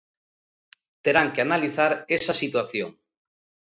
Terán que analizar esa situación.